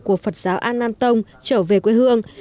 của phật giáo an nam tông trở về quê hương